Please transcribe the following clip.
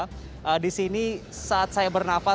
tapi sekarang di sini saat saya bernafas